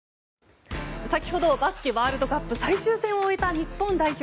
先ほどバスケワールドカップ最終戦を終えた日本代表。